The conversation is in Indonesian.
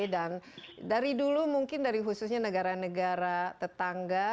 dari dulu mungkin dari khususnya negara negara tetangga